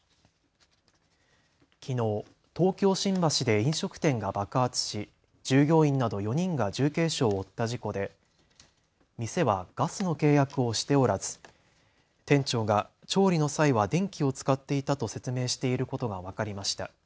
きのう東京新橋で飲食店が爆発し従業員など４人が重軽傷を負った事故で店はガスの契約をしておらず店長が調理の際は電気を使っていたと説明していることが分かりました。